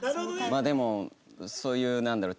でもそういうなんだろう？